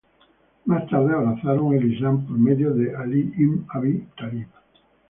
Más tarde, abrazaron el Islam por medio de Ali Ibn Abi Talib.